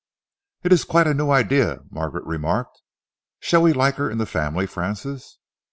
"It's quite a new idea," Margaret remarked. "Shall we like her in the family, Francis?"